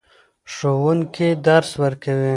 ښوونکي درس ورکوې.